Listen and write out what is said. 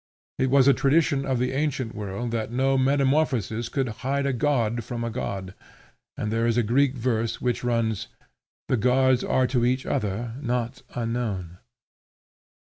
It was a tradition of the ancient world that no metamorphosis could hide a god from a god; and there is a Greek verse which runs, "The Gods are to each other not unknown."